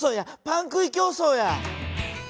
パン食い競争や！